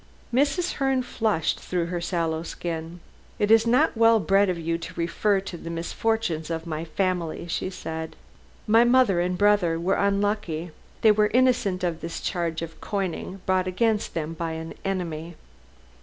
Mrs. Herne flushed through her sallow skin. "It is not well bred of you to refer to the misfortunes of my family," she said; "my mother and brother were unlucky. They were innocent of this charge of coining, brought against them by an enemy."